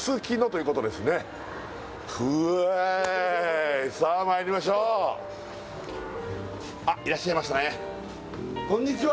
いさあまいりましょうあっいらっしゃいましたねこんにちは